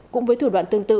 cũng với thủ đoạn tương tự